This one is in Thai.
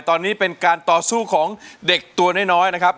ตอนนี้เป็นการต่อสู้ของเด็กตัวน้อยนะครับ